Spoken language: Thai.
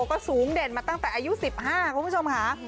ก็สูงเด่นมาตั้งแต่อายุ๑๕คุณผู้ชมค่ะ